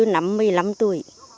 năm một mươi năm tuổi